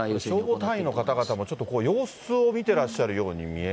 消防隊員の方々もちょっと様子を見てらっしゃるように見えま